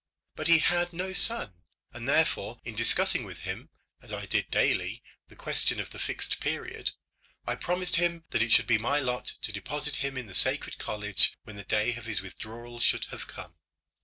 But he had no son; and therefore in discussing with him, as I did daily, the question of the Fixed Period, I promised him that it should be my lot to deposit him in the sacred college when the day of his withdrawal should have come.